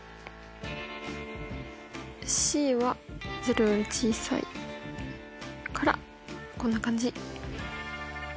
ｃは０より小さいからこんな感じ。